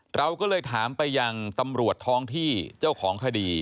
เราก็เลยถามไปยังตำรวจท้องที่เจ้าของคดี